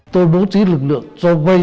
tôi bố trí lực lượng cho vây